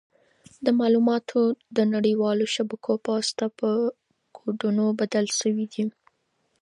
دا معلومات د نړیوالو شبکو په واسطه په کوډونو بدل شوي دي.